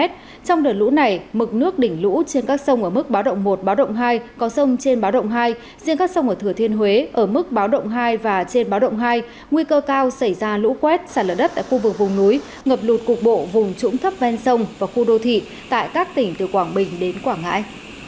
trong đợt lũ này mực nước đỉnh lũ trên các sông ở mức báo động một báo động hai có sông trên báo động hai riêng các sông ở thừa thiên huế ở mức báo động hai và trên báo động hai nguy cơ cao xảy ra lũ quét xả lỡ đất tại khu vực vùng núi ngập lụt cục bộ vùng trũng thấp ven sông và khu đô thị tại các tỉnh từ quảng bình đến quảng ngãi